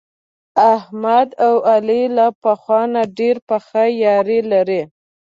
احمد او علي له پخوا نه ډېره پخه یاري لري.